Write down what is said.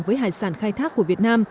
với hải sản khai thác của việt nam